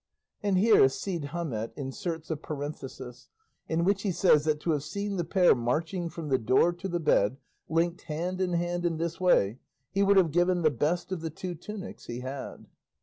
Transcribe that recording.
And here Cide Hamete inserts a parenthesis in which he says that to have seen the pair marching from the door to the bed, linked hand in hand in this way, he would have given the best of the two tunics he had.